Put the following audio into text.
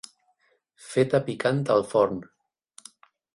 Feta picant al forn.